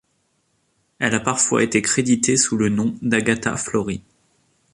Elle a parfois été créditée sous le nom d'Agata Flory.